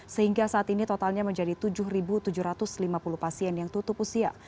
sehingga saat ini totalnya menjadi tujuh tujuh ratus lima puluh pasien yang tutup usia